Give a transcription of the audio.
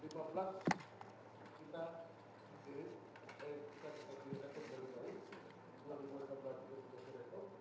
masih peluru hapar